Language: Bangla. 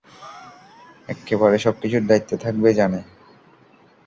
এক্কেবারে সবকিছুর দায়িত্বে থাকবে জনি।